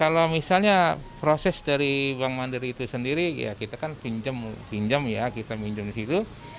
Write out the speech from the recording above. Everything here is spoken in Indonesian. kalau misalnya proses dari bank mandiri itu sendiri ya kita kan pinjam pinjam ya kita pinjam situ